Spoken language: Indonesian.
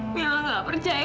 mila gak percaya